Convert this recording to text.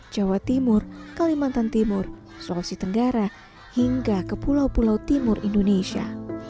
jawa timur kalimantan timur sulawesi tenggara hingga ke pulau pulau timur indonesia